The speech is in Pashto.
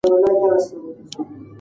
د کتاب لوستل ذهن روښانه کوي.